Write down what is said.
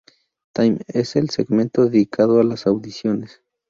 Time" en el segmento dedicado a las audiciones.